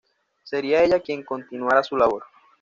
Sería ella quien continuaría su labor.